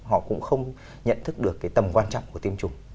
họ cũng không nhận thức được cái tầm quan trọng của tiêm chủng